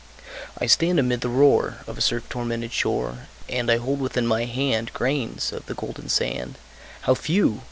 I stand amid the roar Of a surf tormented shore, And I hold within my hand Grains of the golden sand How few!